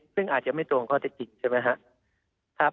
ซึ่งอาจจะไม่ตรงข้อเศรษฐกิจใช่ไหมคะ